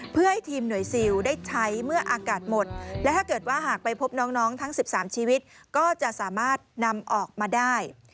เพื่อให้ทีมหน่วยซิลได้ใช้เมื่ออากาศหมดและถ้าเกิดว่าหากไปพบน้องทั้ง๑๓ชีวิตก็จะสามารถนำออกมาได้